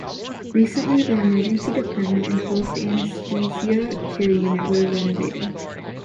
Recently the Emergency Department and Post Anesthesia Care Unit were renovated.